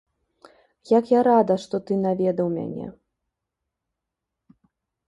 Як я рада, што ты наведаў мяне!